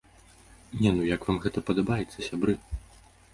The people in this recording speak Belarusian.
Не, ну як вам гэта падабаецца, сябры?!